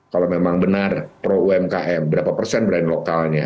kalau memang benar pro umkm berapa persen brand lokalnya